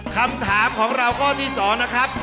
คำถามของเราข้อที่๒นะครับ